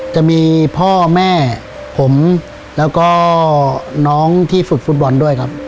จะมีพ่อแม่ผมแล้วก็น้องที่ฝึกฟุตบอลด้วยครับ